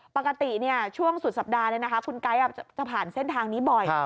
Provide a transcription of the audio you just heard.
ปกติช่วงสุดสัปดาห์คุณไก๊จะผ่านเส้นทางนี้บ่อย